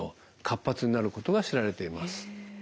活発になることが知られています。